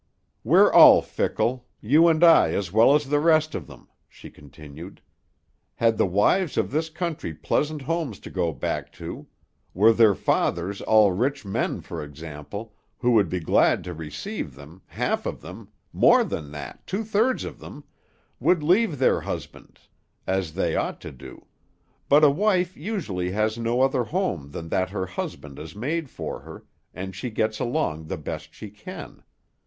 "We're all fickle; you and I as well as the rest of them," she continued. "Had the wives of this country pleasant homes to go back to; were their fathers all rich men, for example, who would be glad to receive them, half of them more than that, two thirds of them would leave their husbands, as they ought to do; but a wife usually has no other home than that her husband has made for her, and she gets along the best she can.